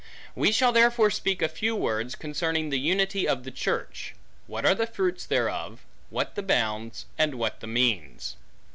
We shall therefore speak a few words, concerning the unity of the church; what are the fruits thereof; what the bounds; and what the means.